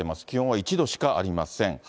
気温は１度しかありません。